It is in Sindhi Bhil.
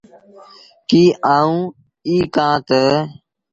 ڪيٚ آئوٚنٚ ايٚ ڪهآنٚ تا